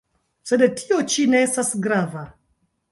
Sed tio ĉi ne estas grava.